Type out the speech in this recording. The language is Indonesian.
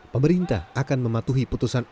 pemerintah akan mematuhi putusan